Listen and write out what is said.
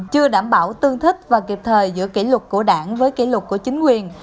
chưa đảm bảo tương thích và kịp thời giữa kỷ luật của đảng với kỷ lục của chính quyền